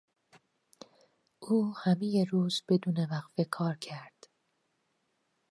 او همهی روز بدون وقفه کار کرد.